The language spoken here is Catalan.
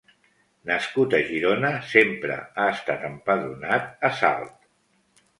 Nascut a Girona, sempre ha estat empadronat a Salt.